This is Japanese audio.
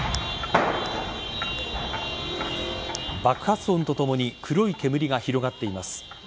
爆発音とともに黒い煙が広がっています。